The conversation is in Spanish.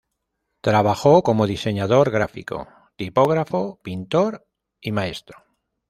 Trabajó como diseñador gráfico, tipógrafo, pintor y maestro.